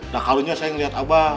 nah kalau ini saya ngeliat abah